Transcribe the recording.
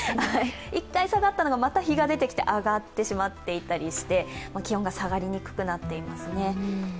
一回下がったのがまた日が出てきて上がってしまったりしていて気温が下がりにくくなっていますね。